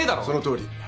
そのとおり。